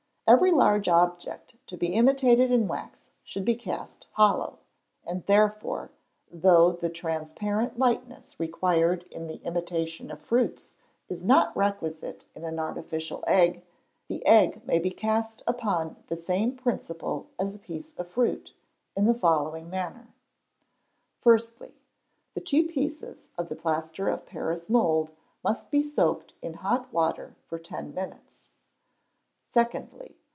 Every large object to be imitated in wax should be cast hollow; and therefore, though the transparent lightness required in the imitation of fruits is not requisite in an artificial egg, the egg may be cast upon the same principle as a piece of fruit, in the following manner. Firstly. The two pieces of the plaster of Paris mould must be soaked in hot water for ten minutes. Secondly.